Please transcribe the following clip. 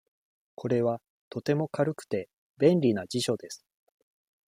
これはとても軽くて、便利な辞書です。